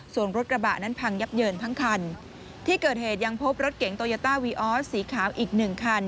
ส่วนรถกระบะนั้นพังยับเยินทั้งคันที่เกิดเหตุยังพบรถเก๋งโตโยต้าวีออสสีขาวอีกหนึ่งคัน